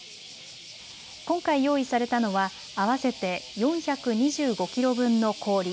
今回用意されたのは合わせて４２５キロ分の氷。